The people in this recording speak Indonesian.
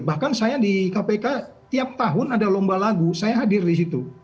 bahkan saya di kpk tiap tahun ada lomba lagu saya hadir di situ